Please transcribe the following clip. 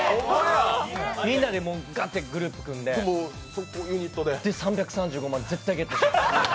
みんなでガッてグループ組んで３３５万、絶対ゲットします。